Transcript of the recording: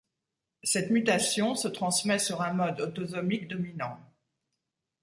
Cette mutation se transmet sur un mode autosomique dominant.